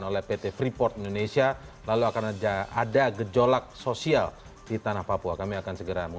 oleh pt freeport indonesia lalu akan ada gejolak sosial di tanah papua kami akan segera